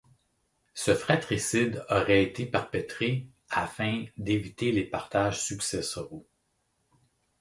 Ce fratricide aurait été perpétré afin d'éviter les partages successoraux.